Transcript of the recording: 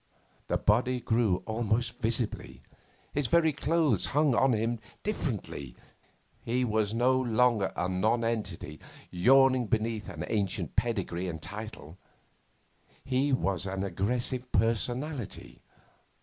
The body grew almost visibly; his very clothes hung on him differently; he was no longer a nonentity yawning beneath an ancient pedigree and title; he was an aggressive personality.